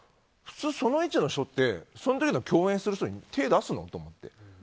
普通、その位置の人ってその時に共演する人に手を出すの？と思って。